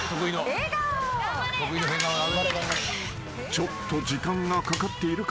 ［ちょっと時間がかかっているか？］